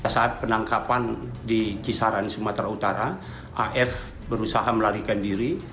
saat penangkapan di kisaran sumatera utara af berusaha melarikan diri